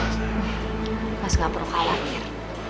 mas gak perlu khawatir